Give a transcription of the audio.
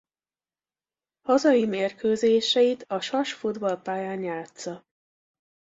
Hazai mérkőzéseit a Sas futballpályán játssza.